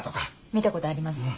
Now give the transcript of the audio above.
見たことあります。